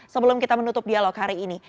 sebelum kita menutup dialog hari ini